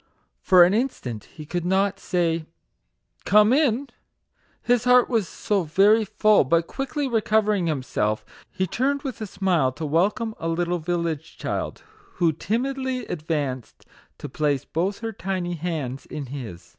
For an instant he could not say, " Come in I" his heart was so very full ; but quickly recovering himself, he turned with a smile to welcome a little village child, who timidly advanced to place both her tiny hands in his.